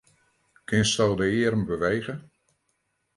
Kinsto de earm bewege?